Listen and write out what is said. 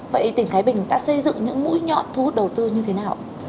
vậy tỉnh thái bình đã xây dựng những mũi nhọn thu hút đầu tư như thế nào